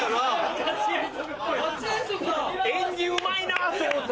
演技うまいなと思った。